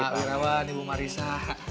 pak wirawan ibu marisa